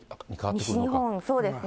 西日本、そうですね。